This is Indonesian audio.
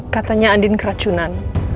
katanya andin keracunan